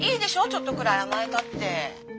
ちょっとくらい甘えたって。